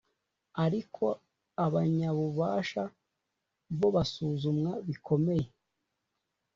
ariko abanyabubasha bo bazasuzumwa bikomeye.